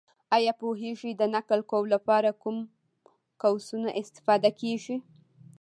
ایا پوهېږې! د نقل قول لپاره کوم قوسونه استفاده کېږي؟